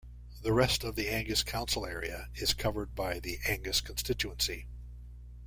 The rest of the Angus council area is covered by the Angus constituency.